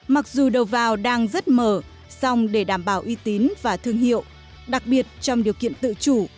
mặc dù đầu vào đang rất mở song để đảm bảo uy tín và thương hiệu đặc biệt trong điều kiện tự chủ